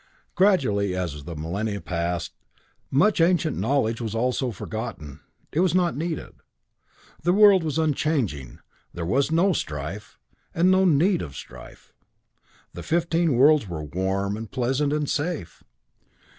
"Gradually as millennia passed, much ancient knowledge was also forgotten. It was not needed. The world was unchanging, there was no strife, and no need of strife. The fifteen worlds were warm, and pleasant, and safe.